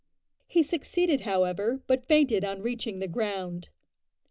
He succeeded, however, but fainted on reaching the ground.